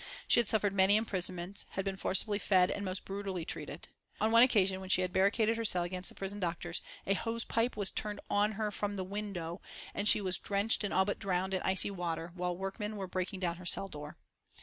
She had suffered many imprisonments, had been forcibly fed and most brutally treated. On one occasion when she had barricaded her cell against the prison doctors, a hose pipe was turned on her from the window and she was drenched and all but drowned in the icy water while workmen were breaking down her cell door.